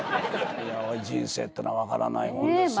人生ってのは分からないもんですよね。